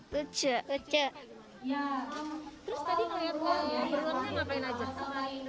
terus tadi ngeliatnya beruangnya ngapain aja